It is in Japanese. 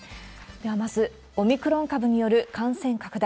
ではまず、オミクロン株による感染拡大。